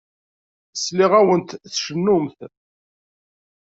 Sliɣ-awent tcennumt.